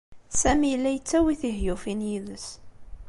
Sami yella yettawi tihyufin yid-s.